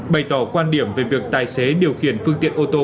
bày tỏ quan điểm về việc tài xế điều khiển phương tiện ô tô